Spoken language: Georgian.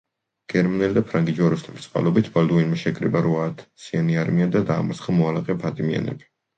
გერმანელი და ფრანგი ჯვაროსნების წყალობით ბალდუინმა შეკრიბა რვა ათასიანი არმია და დაამარცხა მოალყე ფატიმიანები.